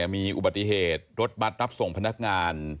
มีอุบัติเหตุรถบัตรรับส่งพนักงาน